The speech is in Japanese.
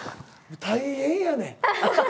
大変やねん。